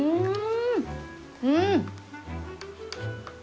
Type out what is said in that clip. うん。